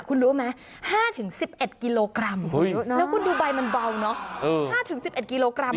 คุณรู้ไหม๕๑๑กิโลกรัมแล้วคุณดูใบมันเบาเนอะ๕๑๑กิโลกรัม